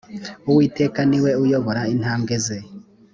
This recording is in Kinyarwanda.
uwiteka ni we uyobora intambwe ze